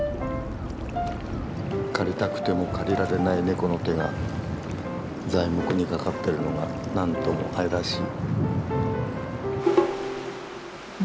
借りたくても借りられないネコの手が材木にかかってるのが何とも愛らしい。